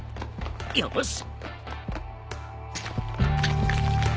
よし！